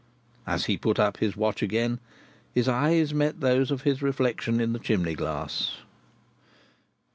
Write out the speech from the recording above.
As he put up his watch again, his eyes met those of his reflection in the chimney glass.